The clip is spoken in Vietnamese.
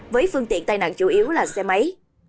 với phương tiện tai nạn chủ yếu là xe máy